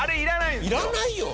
いらないよ！